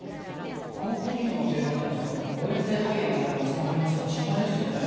口くう機能の低下っていうのは誤えん性肺炎なんかにもつながりますから心配ですよね。